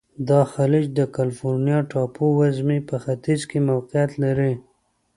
دا خلیج د کلفورنیا ټاپو وزمي په ختیځ کې موقعیت لري.